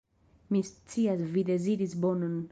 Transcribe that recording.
Mi scias, vi deziris bonon.